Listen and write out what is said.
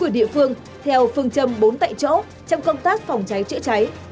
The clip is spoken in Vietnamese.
ở địa phương theo phương châm bốn tại chỗ trong công tác phòng cháy chữa cháy